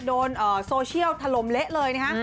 โดนโซเชียลถล่มเละเลยนะฮะ